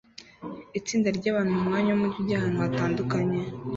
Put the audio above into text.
Itsinda ryabantu mumwanya wumujyi ujya ahantu hatandukanye